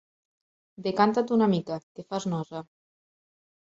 Decanta't una mica, que fas nosa.